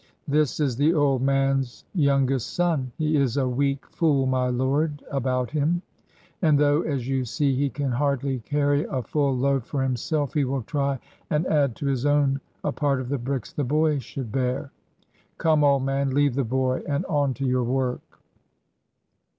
"This is the old man's youngest son. He is a weak fool, my lord, about him; and though, as you see, he can hardly carry a full load for himself, he will try and add to his own a part of the bricks the boy should bear. Come, old man, leave the boy and on to your work!"